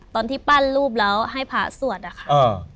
ตอนที่ปั้นรูปแล้วให้พระสวดอะค่ะ